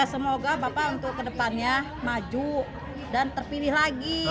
semoga bapak untuk kedepannya maju dan terpilih lagi